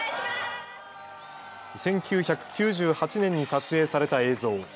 １９９８年に撮影された映像。